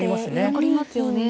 残りますよね。